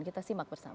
kita simak bersama